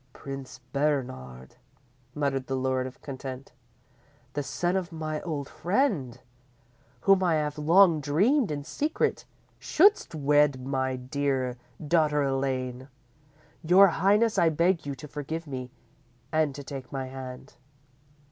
"_ _"Prince Bernard," muttered the Lord of Content, "the son of my old friend, whom I have long dreamed in secret shouldst wed my dear daughter Elaine! Your Highness, I beg you to forgive me, and to take my hand."